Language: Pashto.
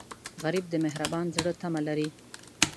غریب د مهربان زړه تمه لري